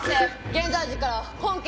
現在時から本件